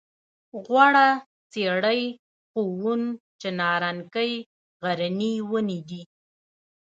غوړه څېرۍ ښوون چناررنګی غرني ونې دي.